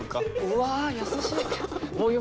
うわ優しい。